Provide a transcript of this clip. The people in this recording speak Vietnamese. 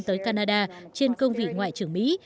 tới canada trên công vị ngoại trưởng mỹ